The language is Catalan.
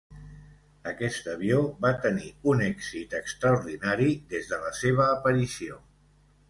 Aquest avió va tenir un èxit extraordinari des de la seva aparició.